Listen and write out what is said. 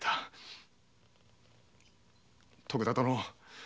徳田殿